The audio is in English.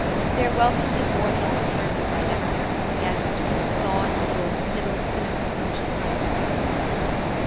Their welcome did more than all the sermons I had ever heard put together towards thawing a little of the pitiless cynicism which encrusted my heart.